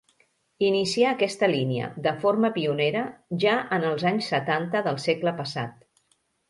Inicià aquesta línia, de forma pionera, ja en els anys setanta del segle passat.